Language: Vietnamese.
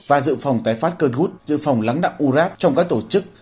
và dự phòng tái phát cơn gút dự phòng lắng đặng u rác trong các tổ chức